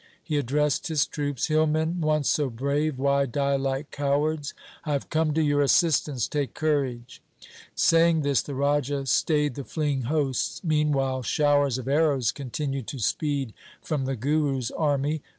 He addressed his troops :' Hillmen, once so brave, why die like cowards ? I have come to your assistance. Take courage.' Saying this the Raja stayed the fleeing hosts. Meanwhile showers of arrows continued to speed from the Guru's army.